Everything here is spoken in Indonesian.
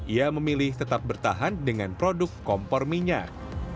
ia memilih tetap bertahan dengan produk kompor minyak